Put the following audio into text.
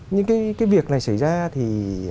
những cái việc này xảy ra thì